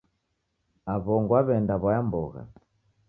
Aw'ongo w'aw'eenda w'aya mbogha.